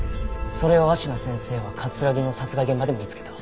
それを芦名先生は木の殺害現場で見つけた。